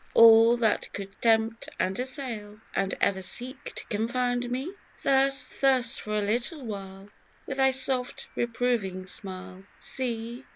All that could tempt and assail And ever seek to confound me ? Thus, thus, for a little while, With thy soft reproving smile, C ..